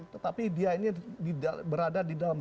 tetapi dia ini berada di dalam